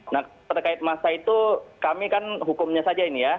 nah terkait masa itu kami kan hukumnya saja ini ya